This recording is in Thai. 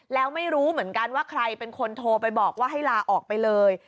แล้วไม่รู้เหมือนกันว่าใครเป็นคนโทรไปบอกว่าให้ลาออกไปเลย